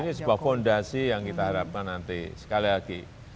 ini sebuah fondasi yang kita harapkan nanti sekali lagi